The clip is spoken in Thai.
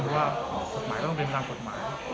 ว่ากฎหมายก็ต้องเป็นตามกฎหมาย